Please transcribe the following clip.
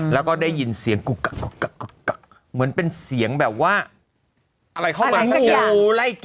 แล้วก็ได้ยินเสียงกริกกริกกริก